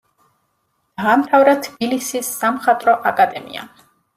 დაამთავრა თბილისის სამხატვრო აკადემია.